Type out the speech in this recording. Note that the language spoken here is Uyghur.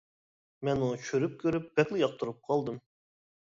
مەنمۇ چۈشۈرۈپ كۆرۈپ بەكلا ياقتۇرۇپ قالدىم.